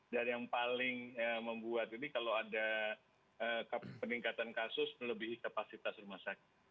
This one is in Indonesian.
dan yang paling membuat ini kalau ada peningkatan kasus melebihi kapasitas rumah sakit